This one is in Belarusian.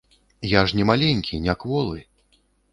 Я ж не маленькі, не кволы!